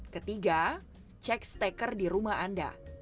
ketiga cek steker di rumah anda